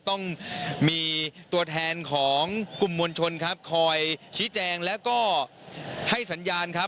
ต้องมีตัวแทนของกลุ่มมวลชนครับคอยชี้แจงแล้วก็ให้สัญญาณครับ